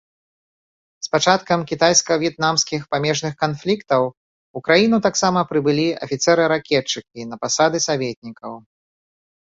З пачаткам кітайска-в'етнамскіх памежных канфліктаў у краіну таксама прыбылі афіцэры-ракетчыкі на пасады саветнікаў.